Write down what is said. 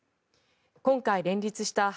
今回連立した８